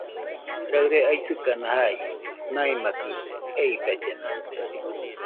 Raɨre aisɨkana jai, naimakɨna eidallena.